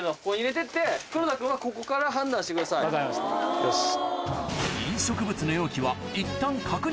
分かりましたよし。